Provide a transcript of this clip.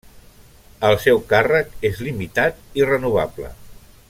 El seu càrrec és limitat i renovable.